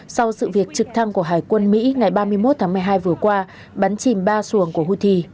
sau sự việc trực thăng của hải quân mỹ ngày ba mươi một tháng một mươi hai vừa qua bắn chìm ba xuồng của houthi